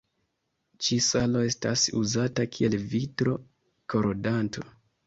Ĉi-salo estas uzata kiel vitro-korodanto.